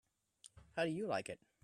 How do you like it?